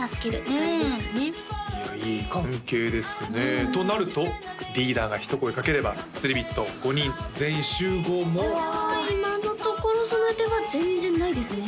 いやいい関係ですねとなるとリーダーが一声かければつりビット５人全員集合も今のところその予定は全然ないですね